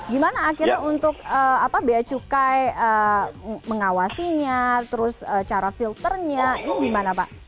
gimana akhirnya untuk biaya cukai mengawasinya terus cara filternya ini gimana pak